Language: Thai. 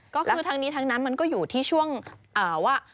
ก็คือทั้งนี้ทั้งนั้นมันก็อยู่ที่ช่วงว่า